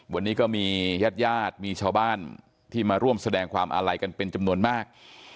วันนี้ก็มีญาติญาติมีชาวบ้านที่มาร่วมแสดงความอาลัยกันเป็นจำนวนมาก